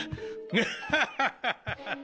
ハハハハハ！